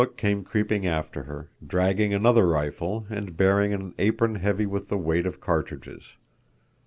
] Nawadlook came creeping after her, dragging another rifle and bearing an apron heavy with the weight of cartridges.